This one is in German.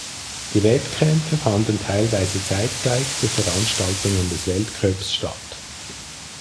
Die Wettkämpfe fanden teilweise zeitgleich zu Veranstaltungen des Weltcups statt.